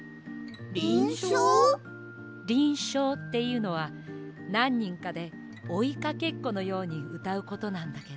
りんしょうっていうのはなんにんかでおいかけっこのようにうたうことなんだけど。